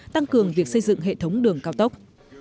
tăng cường việc xây dựng hệ thống đường cao tốc